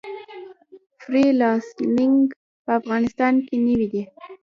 فری لانسینګ په افغانستان کې نوی دی